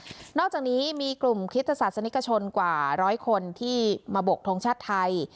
นอกจากนี้มีกลุ่มคริสตศาสนิกชนกว่าร้อยคนที่มาบกทงชาติไทย